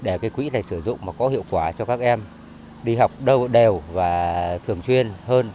để quỹ này sử dụng có hiệu quả cho các em đi học đều và thường chuyên hơn